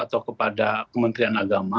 atau kepada kementerian agama